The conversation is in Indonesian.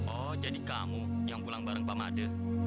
oh jadi kamu yang pulang bareng pak made